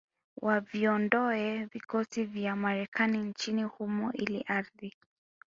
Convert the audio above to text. waviondoe vikosi vya Marekani nchini humo ili ardhi